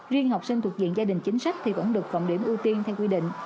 riêng học sinh thuộc diện gia đình chính sách thì vẫn được cộng điểm ưu tiên theo quy định